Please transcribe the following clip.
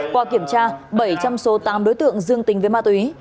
qua kiểm tra bảy trăm linh số tám đối tượng dương tình với ma túy